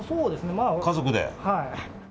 家族で。